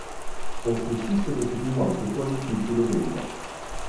O que si se decidiu onte foi o título de Liga.